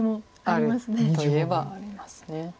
あるといえばあります。